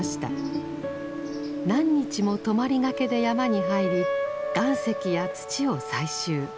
何日も泊まりがけで山に入り岩石や土を採集。